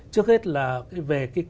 trước hết là về cái